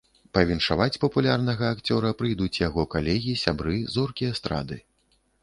Павіншаваць папулярнага акцёра прыйдуць яго калегі, сябры, зоркі эстрады.